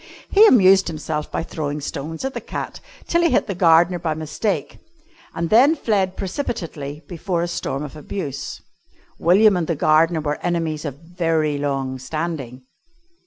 He amused himself by throwing stones at the cat till he hit the gardener by mistake and then fled precipitately before a storm of abuse. William and the gardener were enemies of very long standing.